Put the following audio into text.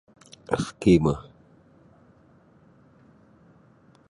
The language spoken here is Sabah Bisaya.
Eski boh